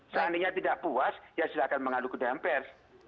seandainya tidak puas ya silahkan mengadu ke dalam pers